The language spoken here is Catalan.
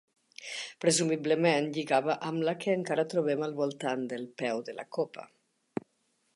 Presumiblement lligava amb la que encara trobem al voltant del peu de la copa.